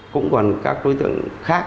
cũng còn các đối tượng khác